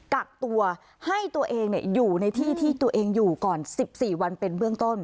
กักตัวให้ตัวเองอยู่ในที่ที่ตัวเองอยู่ก่อน๑๔วันเป็นเบื้องต้น